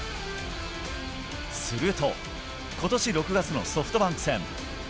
するとことし６月のソフトバンク戦。